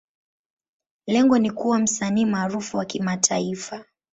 Lengo ni kuwa msanii maarufu wa kimataifa.